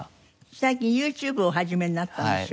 最近ＹｏｕＴｕｂｅをお始めになったんでしょ？